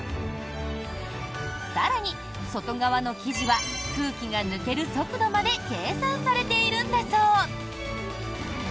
更に、外側の生地は空気が抜ける速度まで計算されているんだそう。